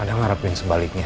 anda mengharapkan sebaliknya